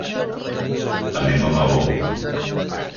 Anem a Maó.